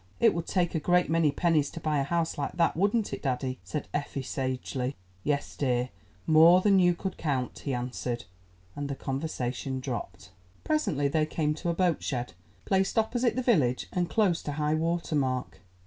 "It would take a great many pennies to buy a house like that, wouldn't it, daddy?" said Effie sagely. "Yes, dear, more than you could count," he answered, and the conversation dropped. Presently they came to a boat shed, placed opposite the village and close to high water mark.